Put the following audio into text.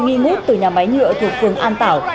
nghi ngút từ nhà máy nhựa thuộc phường an tảo